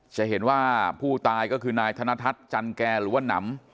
จะเห็นว่าผู้ตายก็คือนายธนทัศน์จันแก่หรือว่าหนำ